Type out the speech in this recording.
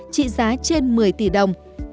trị giá trên một mươi tỷ đồng